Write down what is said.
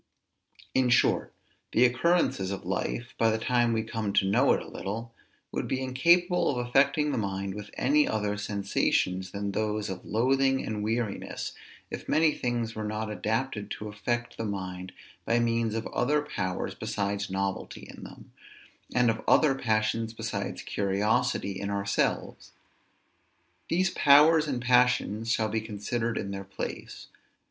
In short, the occurrences of life, by the time we come to know it a little, would be incapable of affecting the mind with any other sensations than those of loathing and weariness, if many things were not adapted to affect the mind by means of other powers besides novelty in them, and of other passions besides curiosity in ourselves. These powers and passions shall be considered in their place.